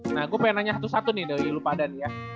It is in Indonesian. nah gua pengen nanya satu satu nih dari lu padan ya